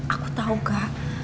aku tahu kak